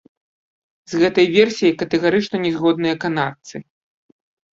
З гэтай версіяй катэгарычна не згодныя канадцы.